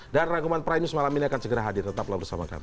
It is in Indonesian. dan rangkuman prime news malam ini akan segera hadir tetaplah bersama kami